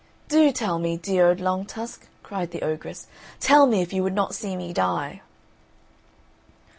"Do tell me, dear old Long tusk," cried the ogress; "tell me, if you would not see me die."